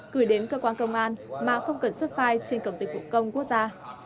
gửi đến cơ quan công an mà không cần xuất phai trên cộng dịch vụ công quốc gia